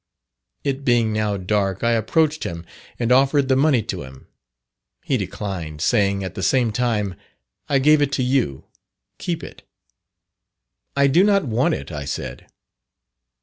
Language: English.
It being now dark, I approached him and offered the money to him. He declined, saying at the same time, 'I gave it to you keep it.' 'I do not want it,' I said.